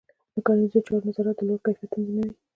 د کرنيزو چارو نظارت د لوړ کیفیت تضمینوي.